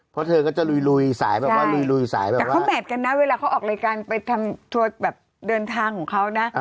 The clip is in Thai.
เพราะเธอก็จะลุยสายแบบว่าลุยสายแบบแต่เขาแมทกันนะเวลาเขาออกรายการไปทำทัวร์แบบเดินทางของเขานะ